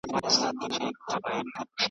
قانون د عدالت ساتونکی دی.